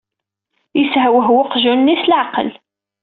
Yeshewhew uqjun-nni s leɛqel.